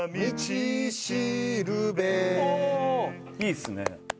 いいですね。